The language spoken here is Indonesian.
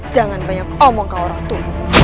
jangan banyak omong ke orang tua